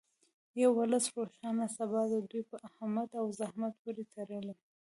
د یو ولس روښانه سبا د دوی په همت او زحمت پورې تړلې.